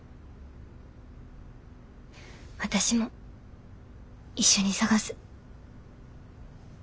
私も一緒に探す。